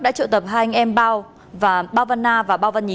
đã trợ tập hai anh em bao văn na và bao văn nhí